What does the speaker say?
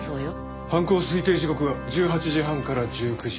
犯行推定時刻は１８時半から１９時。